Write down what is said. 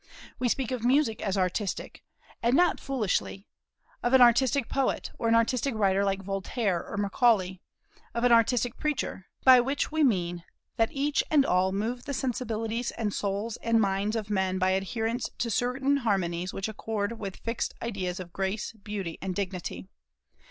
We speak of music as artistic, and not foolishly; of an artistic poet, or an artistic writer like Voltaire or Macaulay; of an artistic preacher, by which we mean that each and all move the sensibilities and souls and minds of men by adherence to certain harmonies which accord with fixed ideas of grace, beauty, and dignity.